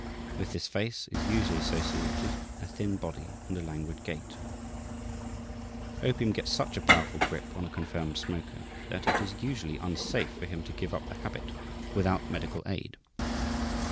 With this face is usually associated a thin body and a languid gait. Opium gets such a powerful grip on a confirmed smoker that it is usually unsafe for him to give up the habit without medical aid.